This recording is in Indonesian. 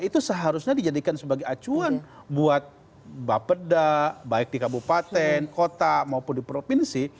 itu seharusnya dijadikan sebagai acuan buat bapeda baik di kabupaten kota maupun di provinsi